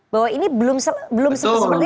bahwa ini belum selesai